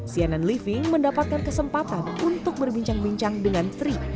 cnn living mendapatkan kesempatan untuk berbincang bincang dengan tri